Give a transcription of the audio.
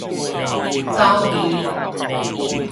走味